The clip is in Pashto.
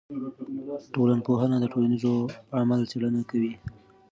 ټولنپوهنه د ټولنیز عمل څېړنه کوي.